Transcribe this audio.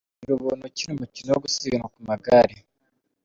Girubuntu, ukina umukino wo gusiganwa ku magare.